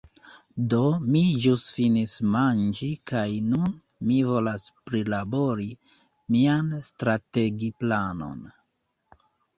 Do, mi ĵus finis manĝi kaj nun mi volas prilabori mian strategiplanon